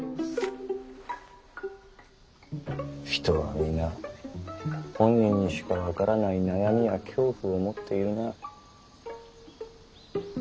人はみな本人にしか分からない悩みや恐怖を持っているな。